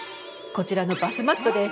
こちらのバスマットです。